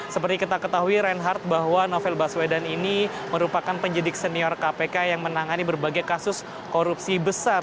seperti kita ketahui reinhardt bahwa novel baswedan ini merupakan penyidik senior kpk yang menangani berbagai kasus korupsi besar